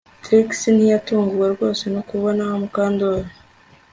Trix ntiyatunguwe rwose no kubona Mukandoli